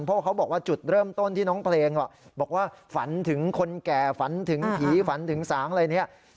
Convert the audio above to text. เพราะเขาบอกว่าจุดเริ่มต้นที่น้องเพลงบอกว่าฝันถึงคนแก่ฝันถึงผีฝันถึงสางอะไรเนี่ย